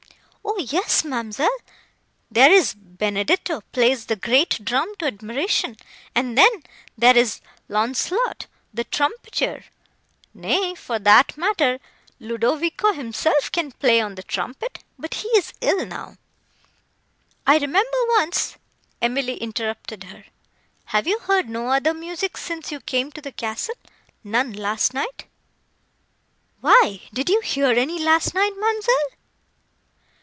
"O yes, ma'amselle! there is Benedetto plays the great drum to admiration; and then, there is Launcelot the trumpeter; nay, for that matter, Ludovico himself can play on the trumpet;—but he is ill now. I remember once—" Emily interrupted her; "Have you heard no other music since you came to the castle—none last night?" "Why, did you hear any last night, ma'amselle?"